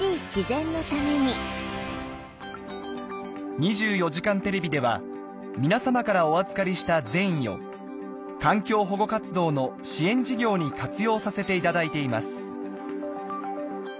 『２４時間テレビ』では皆様からお預かりした善意を環境保護活動の支援事業に活用させていただいています